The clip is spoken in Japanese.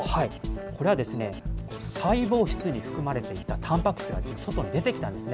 これは細胞質に含まれていたたんぱく質が外に出てきたんですね。